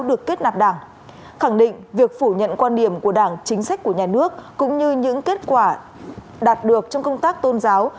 được kết nạp đảng khẳng định việc phủ nhận quan điểm của đảng chính sách của nhà nước cũng như những kết quả đạt được trong công tác tôn giáo